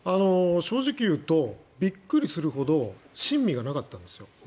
正直言うとびっくりするほど新味がなかったんです。